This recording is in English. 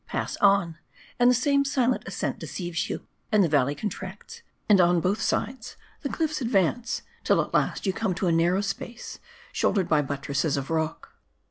Pass on, and the same silent ascent deceives ypu ; and the valley contracts ; and on both sides the clifFs advance ; till at last you come to a narrow space, shouldered by buttresses of rock.